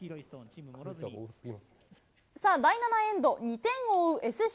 さあ、第７エンド、２点を追うＳＣ